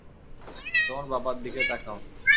তোমার বাবার দিকে তাকাও।